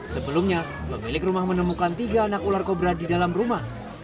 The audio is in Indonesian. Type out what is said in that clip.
sebelumnya pemilik rumah menemukan tiga anak ular kobra di dalam rumah